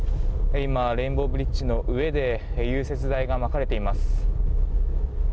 今、レインボーブリッジの上で融雪剤がまかれています。